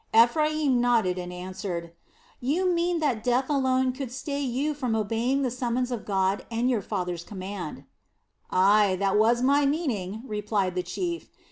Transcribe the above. Ephraim nodded, and answered: "You mean that death alone can stay you from obeying the summons of God, and your father's command." "Ay, that was my meaning," replied the chief.